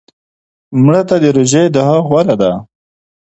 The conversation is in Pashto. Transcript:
مړه ته د روژې دعا غوره ده